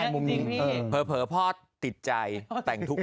นะก็เป็นเรื่องที่แน่นอนข้อคิดที่ดีเหมือนกัน